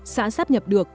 xã sắp nhập được